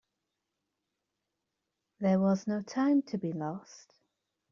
There was no time to be lost.